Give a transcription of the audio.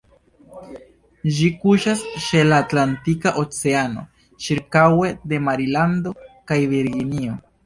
Ĝi kuŝas ĉe la Atlantika Oceano, ĉirkaŭe de Marilando kaj Virginio.